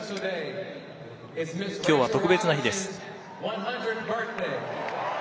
きょうは特別な日です。